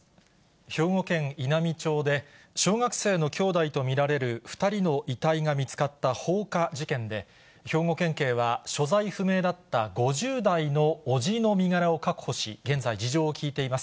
兵庫県稲美町で、小学生の兄弟と見られる２人の遺体が見つかった放火事件で、兵庫県警は、所在不明だった５０代の伯父の身柄を確保し、現在、事情を聴いています。